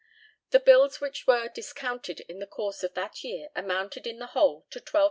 The bills which were discounted in the course of that year amounted in the whole to £12,500.